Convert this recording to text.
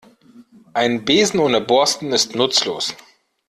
Ein Besen ohne Borsten ist nutzlos.